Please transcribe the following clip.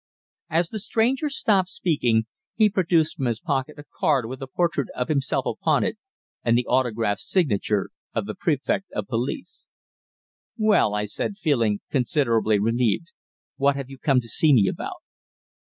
As the stranger stopped speaking, he produced from his pocket a card with a portrait of himself upon it, and the autograph signature of the Prefect of Police. "Well," I said, feeling considerably relieved, "what have you come to see me about?"